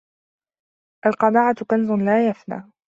القناعة كنز لا يفنى